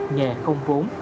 nghề không vốn